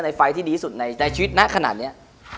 ไฟล์ที่ดีสุดในชีวิตนะขนาดนี้